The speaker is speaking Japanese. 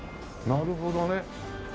なるほどね。